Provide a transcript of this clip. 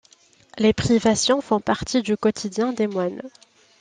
Les privations font partie du quotidien des moines.